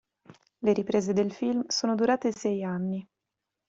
Le riprese del film sono durate sei anni.